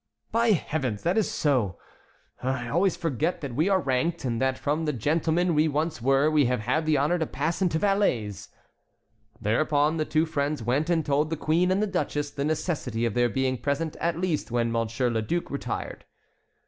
"By Heavens, that is so; I always forget that we are ranked, and that from the gentlemen we once were we have had the honor to pass into valets." Thereupon the two friends went and told the queen and the duchess the necessity of their being present at least when Monsieur le Duc retired.